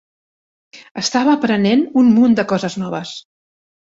Estava aprenent un munt de coses noves.